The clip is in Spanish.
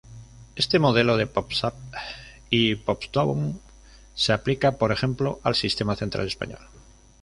Este modelo de "pops-up" y "pops-down" se aplica por ejemplo al Sistema Central español.